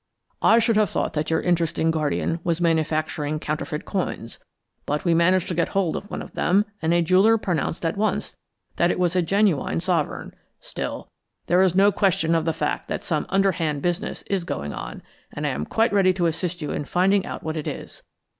I should have thought that your interesting guardian was manufacturing counterfeit coins. But we managed to get hold of one of them, and a jeweller pronounced at once that it was a genuine sovereign. Still, there is no question of the fact that some underhand business is going on, and I am quite ready to assist you in finding out what it is.